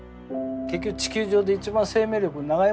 結局地球上で一番生命力長いもんでしょ？